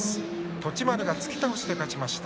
栃丸が突き倒しで勝ちました。